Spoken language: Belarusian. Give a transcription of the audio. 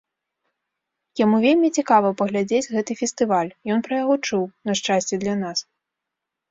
Яму вельмі цікава паглядзець гэты фестываль, ён пра яго чуў, на шчасце для нас.